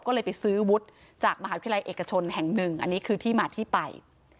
ก็เลยไปซื้อวุฒิจากมหาวิทยาลัยเอกชนแห่งหนึ่งอันนี้คือที่มาที่ไป